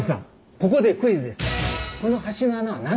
ここでクイズです。